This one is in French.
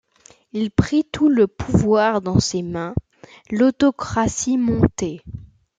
Il prit tout le pouvoir dans ses mains, l'autocratie montait.